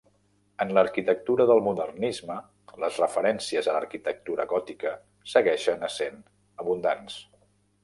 En l'arquitectura del modernisme les referències a l'arquitectura gòtica segueixen essent abundants.